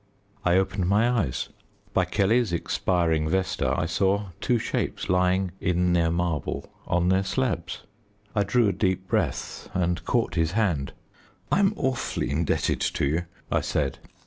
I opened my eyes. By Kelly's expiring vesta I saw two shapes lying "in their marble" on their slabs. I drew a deep breath, and caught his hand. "I'm awfully indebted to you," I said.